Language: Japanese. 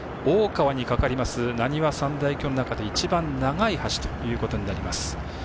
大川にかかりますなにわ三大橋の中で一番長い橋ということになります。